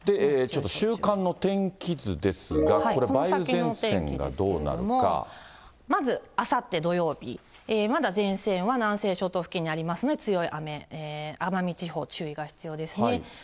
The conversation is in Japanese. この先の天気ですけれども、、まずあさって土曜日、まだ前線は南西諸島付近にありますので強い雨、奄美地方、注意が必要ですね。